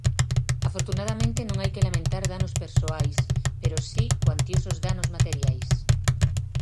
Afortunadamente non hai que lamentar danos persoais, pero si cuantiosos danos materiais.